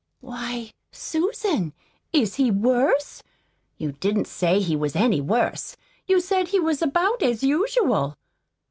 "Why, Susan, is he worse? You didn't say he was any worse. You said he was about as usual."